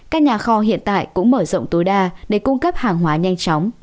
các nhà kho hiện tại cũng mở rộng tối đa để cung cấp hàng hóa nhanh chóng